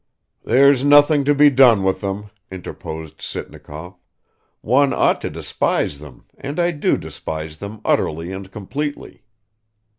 "There's nothing to be done with them," interposed Sitnikov; "one ought to despise them and I do despise them utterly and completely."